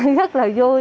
rất là vui